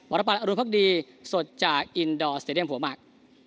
บรรพารอรุณพรรคดีสดจากอินดอร์สเตรเดียมผัวมาก